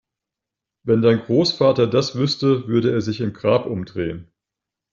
Wenn dein Großvater das wüsste, würde er sich im Grab umdrehen!